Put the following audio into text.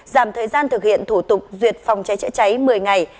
giảm thời gian thực hiện thủ tục duyệt phòng cháy chữa cháy một mươi ngày